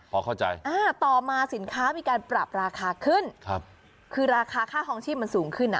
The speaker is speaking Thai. พอเข้าใจอ่าต่อมาสินค้ามีการปรับราคาขึ้นครับคือราคาค่าทองชีพมันสูงขึ้นอ่ะ